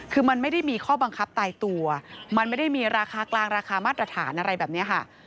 คือมันไม่ได้มีข้อบังคับตายตัวมันไม่ได้มีราคากลางราคามาตรฐานอะไรแบบนี้ค่ะ